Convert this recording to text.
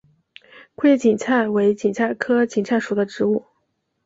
库页堇菜为堇菜科堇菜属的植物。